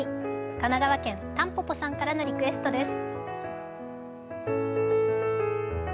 神奈川県たんぽぽさんからのリクエストです。